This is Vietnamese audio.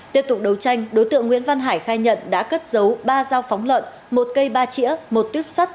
tiếp tục đấu tranh đối tượng nguyễn văn hải khai nhận đã cất giấu ba dao phóng lợn một cây ba chỉa một tuyếp sắt